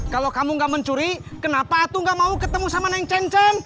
kalau kamu gak mencuri kenapa atu gak mau ketemu sama neng cen cen